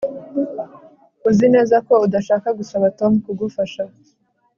Uzi neza ko udashaka gusaba Tom kugufasha